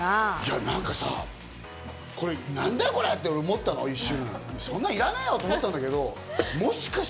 なんかさ、なんだよこれ？と思ったの、一瞬。